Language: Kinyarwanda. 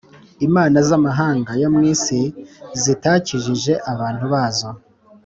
Imana z amahanga yo mu isi zitakijije abantu bazo